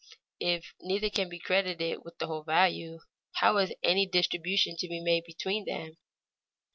If neither can be credited with the whole value, how is any distribution to be made between them?